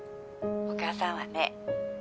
☎お母さんはね